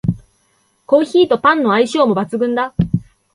コーヒーとパンの相性も抜群だ